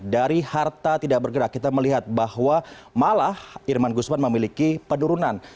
dari harta tidak bergerak kita melihat bahwa malah irman guzman memiliki penurunan